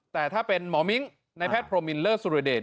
แต่ถ้าเป็นหมอมิ้งค์นายแพทย์โพรมิลเลอร์สุริเดร์